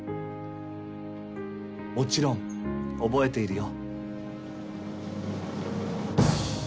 もちろん覚えているよ